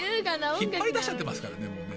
ひっぱりだしちゃってますからねもうね。